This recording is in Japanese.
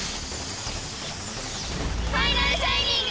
ファイナルシャイニング！